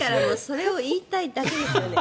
それを言いたいだけですよね。